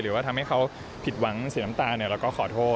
หรือว่าทำให้เขาผิดหวังเสียน้ำตาแล้วก็ขอโทษ